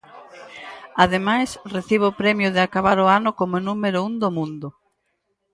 Ademais, recibe o premio de acabar o ano como número un do mundo.